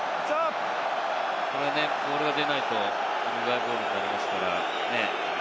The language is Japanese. ボールが出ないとウルグアイボールになりますからね。